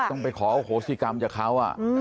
ช่วยขอโขศีกรรมจากเขา